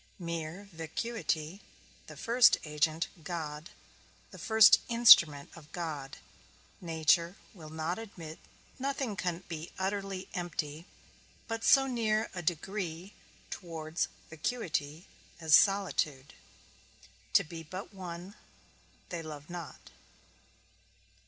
Mere vacuity, the first agent, God, the first instrument of God, nature, will not admit; nothing can be utterly empty, but so near a degree towards vacuity as solitude, to be but one, they love not.